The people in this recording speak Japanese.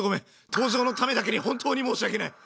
登場のためだけに本当に申し訳ない。